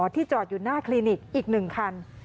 ที่จอดอยู่หน้าคลินิกอีก๑คัน